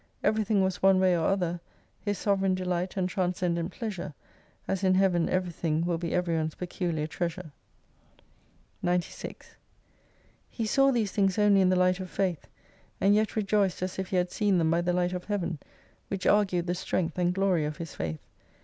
Everything was one way or other his sovereign delight and transcendent pleasure, as in Heaven everythhig will be everyone's peculiar treasure. 96 He saw these things only in the light of faith, and yet rejoiced as if he had seen them by the Light of Heaven, which argued the strength and glory of his faith.